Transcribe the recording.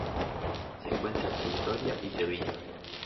Se encuentra entre Vitoria y Treviño.